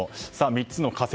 ３つの仮説